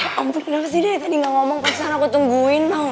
ya ampun kenapa sih dia tadi gak ngomong pas aku tungguin